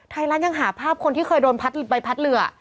ไทยรัฐยังหาภาพคนที่เคยโดนพัดใบพัดเรือ